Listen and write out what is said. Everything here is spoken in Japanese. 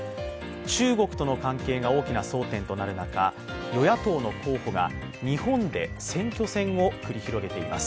中国との関係が大きな争点となる中、与野党の候補が日本で選挙戦を繰り広げています。